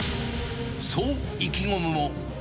そう意気込むも。